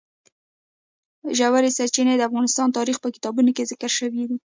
ژورې سرچینې د افغان تاریخ په کتابونو کې ذکر شوی دي.